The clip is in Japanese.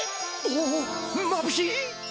おおっまぶしい！